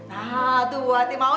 nah tuh bu tati mau